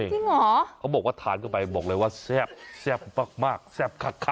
จริงเหรอเขาบอกว่าทานเข้าไปบอกเลยว่าแซ่บมากแซ่บคัก